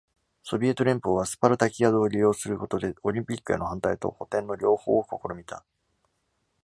ソビエト連邦は、スパルタキアドを利用することで、オリンピックへの反対と補填の両方を試みた。